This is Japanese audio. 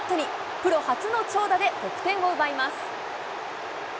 プロ初の長打で得点を奪います。